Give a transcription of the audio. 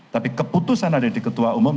tapi keputusan ada di ketua umum